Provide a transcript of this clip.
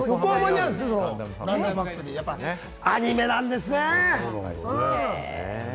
やはりアニメなんですね。